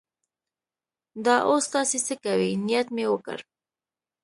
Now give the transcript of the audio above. دا اوس تاسې څه کوئ؟ نیت مې وکړ.